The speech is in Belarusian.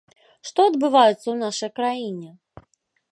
Што адбываецца ў нашай краіне?